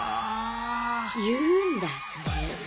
言うんだそれは。